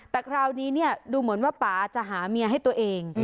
แต่คราวนี้ดูเหมือนว่าป่าจะหาเมียให้ตัวเอง